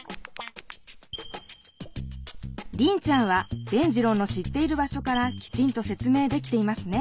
リンちゃんは伝じろうの知っている場所からきちんと説明できていますね。